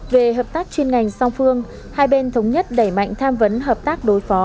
về hợp tác chuyên ngành song phương hai bên thống nhất đẩy mạnh tham vấn hợp tác đối phó